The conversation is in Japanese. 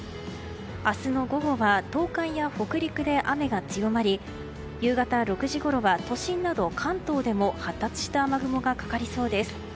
明日の午後は東海や北陸で雨が強まり夕方６時ごろは都心など関東でも発達した雨雲がかかりそうです。